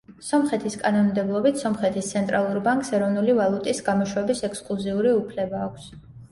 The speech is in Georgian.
სომხეთის კანონმდებლობით სომხეთის ცენტრალურ ბანკს ეროვნული ვალუტის გამოშვების ექსკლუზიური უფლება აქვს.